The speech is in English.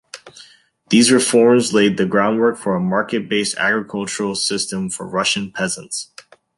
These reforms laid the groundwork for a market-based agricultural system for Russian peasants.